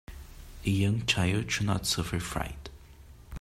A young child should not suffer fright.